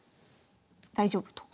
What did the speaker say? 大丈夫と。